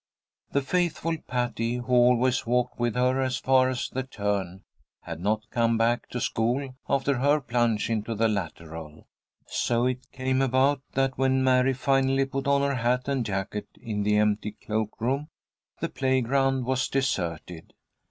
The faithful Patty, who always walked with her as far as the turn, had not come back to school after her plunge into the lateral. So it came about that when Mary finally put on her hat and jacket in the empty cloak room, the playground was deserted.